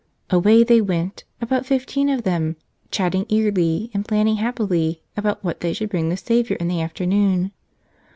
Away they went, about fifteen of them, chatting eagerly and planning happily about what they should bring the Savior in the afternoon.